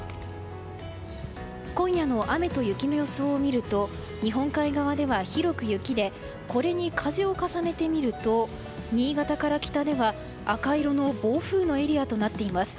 今夜の雨と雪の予想を見ると日本海側では広く雪でこれに風を重ねてみると新潟から北では赤色の暴風のエリアとなっています。